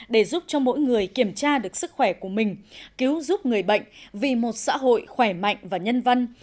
để giúp cho mỗi người kiểm tra được sức khỏe của mình cứu giúp người bệnh vì một xã hội khỏe mạnh và nhân văn